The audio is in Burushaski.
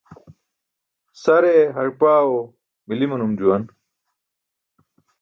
Sare harpaẏo mili manum juwan.